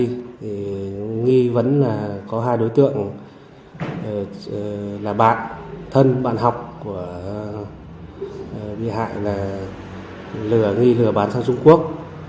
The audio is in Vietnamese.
thì nghi vấn là có hai đối tượng là bạn thân bạn học của bị hại là lừa nghi lừa bán sang trung quốc